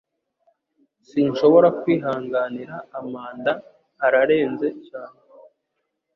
Sinshobora kwihanganira Amanda - ararenze cyane